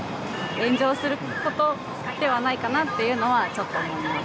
炎上することではないかなというのはちょっと思います。